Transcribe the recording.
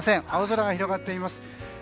青空が広がっています。